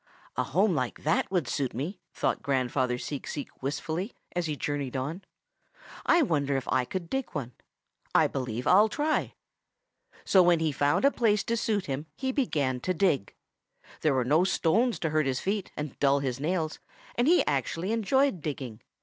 "'A home like that would suit me,' thought Grandfather Seek Seek wistfully, as he journeyed on. 'I wonder if I could dig one. I believe I'll try.' "So when he found a place to suit him he began to dig. There were no stones to hurt his feet and dull his nails, and he actually enjoyed digging.